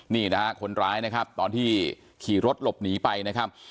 นี่นะฮะคนร้ายนะครับตอนที่ขี่รถหลบหนีไปนะครับ